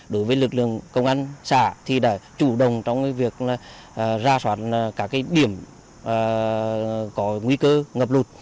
đối với lực lượng công an xã thì đã chủ động trong việc ra soát các điểm có nguy cơ ngập lụt